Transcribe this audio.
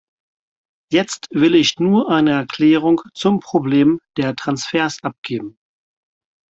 Jetzt will ich nur eine Erklärung zum Problem der Transfers abgeben.